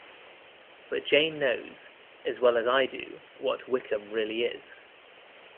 But Jane knows, as well as I do, what Wickham really is.